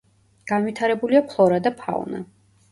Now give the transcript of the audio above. განვითარებულია ფლორა და ფაუნა.